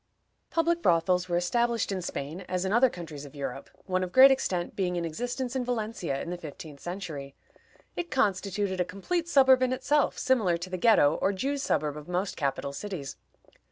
Public brothels were established in Spain, as in other countries of Europe, one of great extent being in existence in Valencia in the fifteenth century. It constituted a complete suburb in itself, similar to the Ghetto, or Jews' suburb of most capital cities.